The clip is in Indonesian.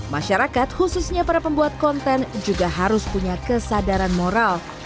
masyarakat khususnya para pembuat konten juga harus punya kesadaran moral